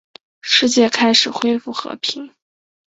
世界开始恢复和平。